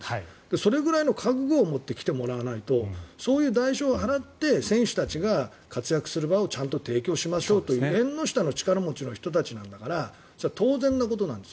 それぐらいの覚悟を持って来てもらわないとそういう代償を払って選手たちが活躍する場をちゃんと提供しましょうという縁の下の力持ちの人たちなんだから当然のことなんです。